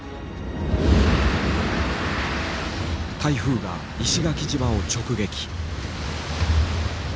台風が石垣島を直撃。